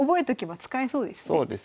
そうですね。